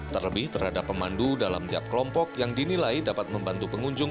terlebih terhadap pemandu dalam tiap kelompok yang dinilai dapat membantu pengunjung